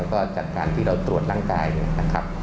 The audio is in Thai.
แล้วก็จากการที่เราตรวจร่างกายนะครับ